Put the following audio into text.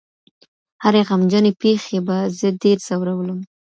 هرې غمجنې پېښې به زه ډېر ځورولم.